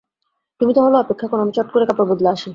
তুমি তাহলে অপেক্ষা কর-আমি চট করে কাপড় বদলে আসি।